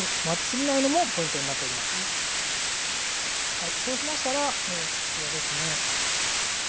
はいそうしましたらこちらですね。